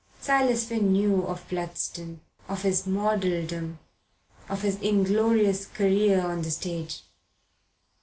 Silas Finn knew of Bludston, of his modeldom, of his inglorious career on the stage.